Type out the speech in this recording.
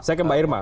saya ke mbak irma